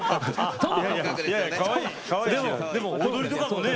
でも踊りとかもね